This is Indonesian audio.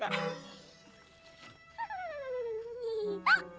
ya ya gak